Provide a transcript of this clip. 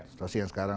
setelah yang sekarang